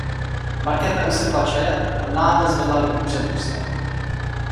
Markéta usrkla čaje a náhle zvedla ruku před ústa.